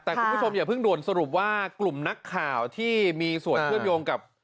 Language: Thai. แต่คุณผู้ชมอย่าเพิ่งด่วนสรุปว่ากลุ่มนักข่าวที่มีส่วนเชื่อมโยงกับ